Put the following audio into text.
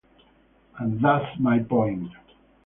And that's my point.